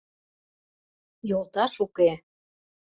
Йолташ уке.